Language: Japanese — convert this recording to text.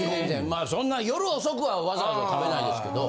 まあそんな夜遅くはわざわざ食べないですけど。